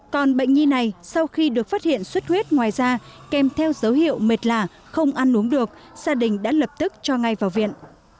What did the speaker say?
còn bệnh nhi này sau khi được phát hiện xuất huyết ngoài da kèm theo dấu hiệu mệt lạ không ăn uống được gia đình đã lập tức cho ngay vào viện